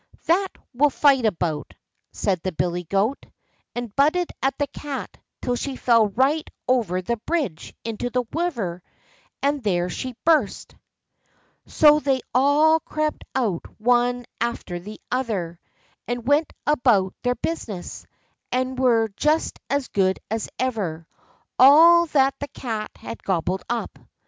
"That we'll fight about," said the billy goat, and butted at the Cat till she fell right over the bridge into the river, and there she burst. So they all crept out one after the other, and went about their business, and were just as good as ever, all that the Cat had gobbled up.